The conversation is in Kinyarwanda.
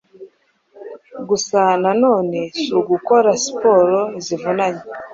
gusa nanone si ugukora siporo zivunanye